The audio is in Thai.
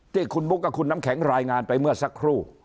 ที่คุณบุ๊คกับคุณน้ำแข็งรายงานไปเมื่อสักครู่